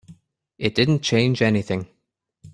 It didn't change anything.